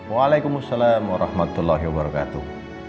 waalaikumsalam warahmatullahi wabarakatuh